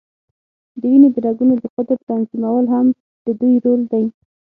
د وینې د رګونو د قطر تنظیمول هم د دوی رول دی.